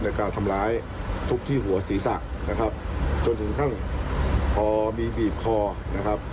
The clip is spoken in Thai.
การทำร้ายทุบที่หัวศีรษะนะครับจนถึงขั้นพอมีบีบคอนะครับ